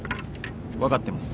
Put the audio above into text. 分かってます。